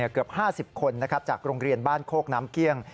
เกือบ๕๐คนจากโรงเรียนบ้านโคกน้ำเกี้ยง